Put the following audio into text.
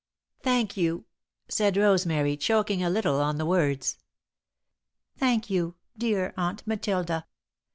"Thank you," said Rosemary, choking a little on the words. "Thank you, dear Aunt Matilda."